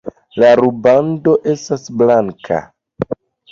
La rubando estas blanka.